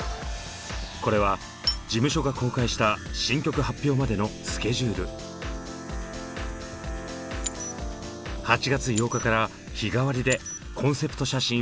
これは事務所が公開した８月８日から日替わりでコンセプト写真を発表。